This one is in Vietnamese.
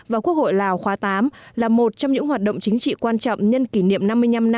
và quốc hội lào khóa tám là một trong những hoạt động chính trị quan trọng nhân kỷ niệm năm mươi năm năm